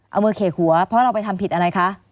เอามือเขกหัวเพราะเราไปทำผิดอะไรคะ